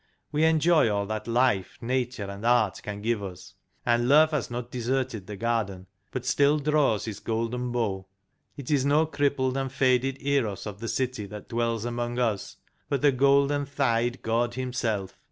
We enjoy all that Life, Nature, and Art can give us, and Love has not deserted the garden, but still draws his golden bow. It is no crippled and faded Eros of the City that dwells among us, but the golden thighed God himself.